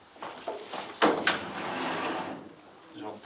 失礼します。